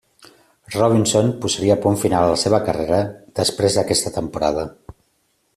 Robinson posaria punt final a la seva carrera després d'aquesta temporada.